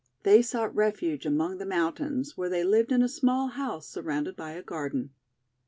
They sought refuge among the mountains, where they lived in a small house surrounded by a garden.